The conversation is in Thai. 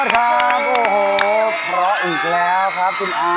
ทัสสลามประสุน